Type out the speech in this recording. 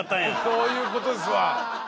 そういうことですわ。